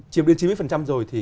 chiếm đến chín mươi rồi thì